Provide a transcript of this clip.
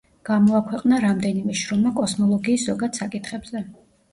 გამოაქვეყნა რამდენიმე შრომა კოსმოლოგიის ზოგად საკითხებზე.